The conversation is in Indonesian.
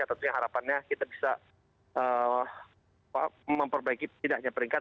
tentunya harapannya kita bisa memperbaiki tidak hanya peringkat